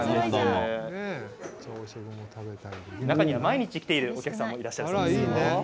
中には毎日、来ているお客さんもいらっしゃいます。